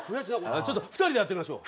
ちょっと２人でやってみましょう。